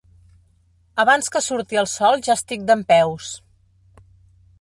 Abans que surti el sol ja estic dempeus.